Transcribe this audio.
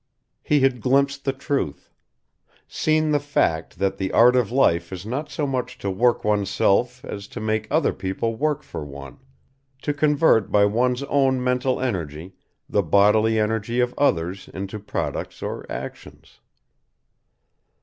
He had glimpsed the truth. Seen the fact that the art of life is not so much to work oneself as to make other people work for one, to convert by one's own mental energy, the bodily energy of others into products or actions.